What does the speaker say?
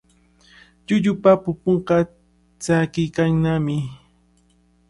Llullupa pupunqa tsakiykannami.